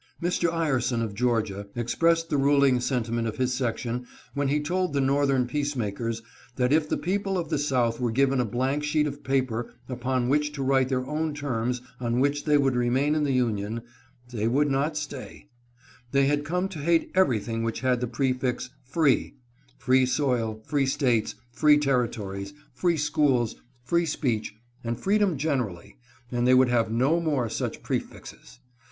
Mr. Ireson of Georgia, expressed the ruling sentiment of his section when he told the northern peacemakers that if the people of the South were given a blank sheet of paper upon which to write their own terms on which they would remain in the Union, they would not stay. They had * See History of American Conflict, Vol. II, by Horace Greeley. HATED THE NAME OF FREEDOM. 407 come to hate everything which had the prefix "Free" — free soil, free States, free territories, free schools, free speech, and freedom generally, and they would have no more such prefixes.